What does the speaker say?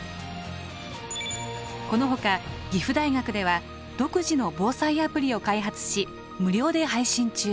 このほか岐阜大学では独自の防災アプリを開発し無料で配信中。